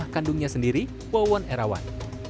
pembunuhan ayahnya sendiri wawan erawan